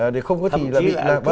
để không có gì là bị